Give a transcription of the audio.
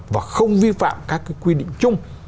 và không vi phạm các cái quy định chung